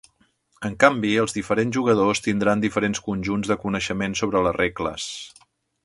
En canvi, els diferents jugadors tindran diferents conjunts de coneixements sobre les regles.